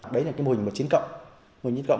đấy là cái mô hình mà chính cộng